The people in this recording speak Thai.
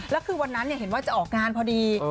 แล้วคือวันนั้นเห็นว่าจะออกงานพอดี